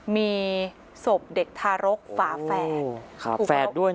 มีศพเด็กทารกฝาแฝด